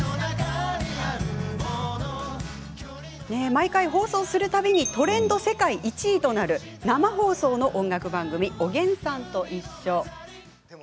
毎回、放送するたびにトレンド世界１位となる生放送音楽番組「おげんさんといっしょ」。